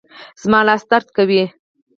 زما لاس درد کوي